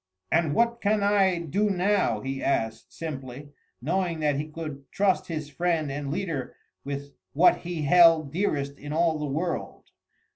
"And what can I do now?" he asked simply, knowing that he could trust his friend and leader with what he held dearest in all the world.